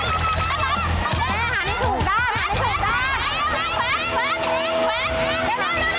ค่ะอย่าทำเหมือนนาน